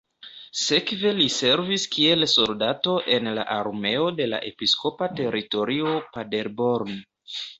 Sekve li servis kiel soldato en la armeo de la episkopa teritorio Paderborn.